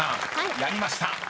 やりました。